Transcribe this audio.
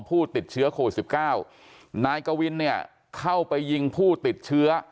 ผู้ติดเชื้อโควิด๑๙นายกวินไปยิงผู้ติดเชื้อ